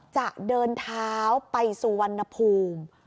จะเดินท้าวไปสู่วันนภูมิ